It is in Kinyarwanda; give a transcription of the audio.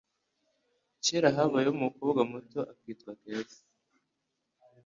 Kera habayeho umukobwa muto akitwa Keza